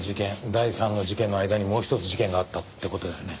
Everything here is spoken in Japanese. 第三の事件の間にもう一つ事件があったって事だよね。